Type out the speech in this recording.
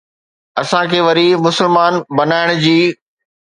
اسان کي وري مسلمان بنائڻ جي؟